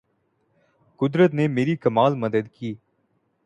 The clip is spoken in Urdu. قدرت نے میری کمال مدد کی